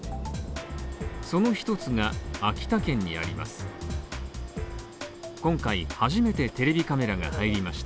その一つが、秋田県にあります。